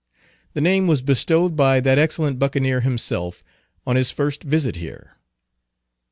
The name was bestowed by that excellent Buccaneer himself, on his first visit here.